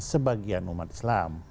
sebagian umat islam